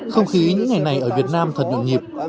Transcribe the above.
không khí những ngày này ở việt nam thật nhộn nhịp